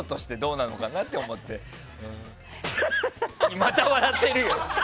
また笑ってるよ。